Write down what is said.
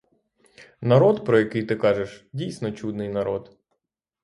Народ, про який ти кажеш, дійсно чудний народ.